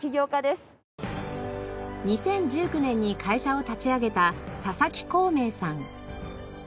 ２０１９年に会社を立ち上げた佐々木孔明さん。